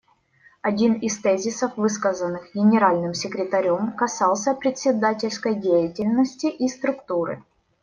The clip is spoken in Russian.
Один из тезисов, высказанных Генеральным секретарем, касался председательской деятельности и структуры.